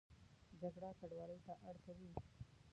جګړه کډوالۍ ته اړ کوي